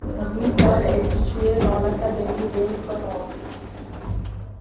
Buissard est située dans l'académie de Grenoble.